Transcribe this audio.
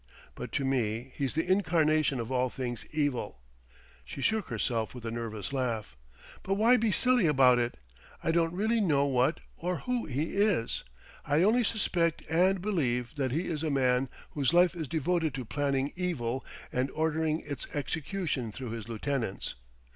But to me he's the incarnation of all things evil...." She shook herself with a nervous laugh. "But why be silly about it? I don't really know what or who he is: I only suspect and believe that he is a man whose life is devoted to planning evil and ordering its execution through his lieutenants.